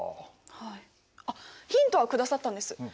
はいあっヒントはくださったんです。